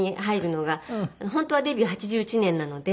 本当はデビュー８１年なので。